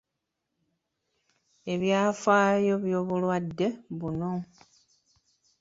Ebyafaayo by’obulwadde buno.